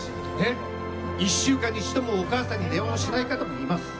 １週間に一度も、お母さんに電話をしない方もいます。